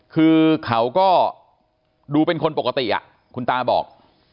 คือเขาก็ดูเป็นคนปกติคุณตาบอก